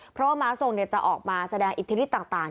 เพราะว่าม้าทรงจะออกมาแสดงอิทธิฤทธิต่าง